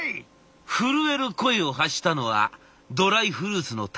震える声を発したのはドライフルーツの担当者。